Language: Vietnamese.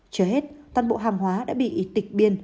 trở hết toàn bộ hàng hóa đã bị tịch biên